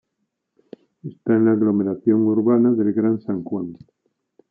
Está en la aglomeración urbana del Gran San Juan.